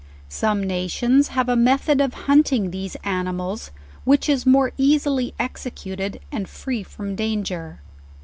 Some nations have a method of hunting these animals which is more easily executed, and free from danger.